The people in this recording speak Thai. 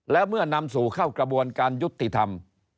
แล้วเมื่อนำสู่เข้ากระบวนการยุติธรรม